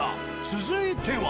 続いては。